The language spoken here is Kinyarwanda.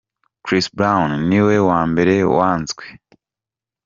Chris Brown ni we wambere wanzwe.